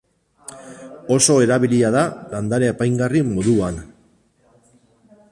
Oso erabilia da landare apaingarri moduan.